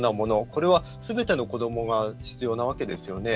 これはすべての子どもが必要なわけですよね。